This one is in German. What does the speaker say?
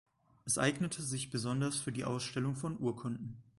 Es eignete sich besonders für die Ausstellung von Urkunden.